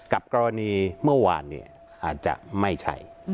กับกรณีเมื่อวานอาจจะไม่ใช่